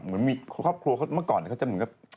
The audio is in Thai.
เหมือนมีครอบครัวเขาเมื่อก่อนเขาจะเหมือนกับ